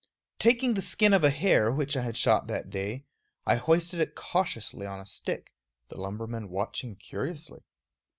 Taking the skin of a hare which I had shot that day, I hoisted it cautiously on a stick, the lumbermen watching curiously.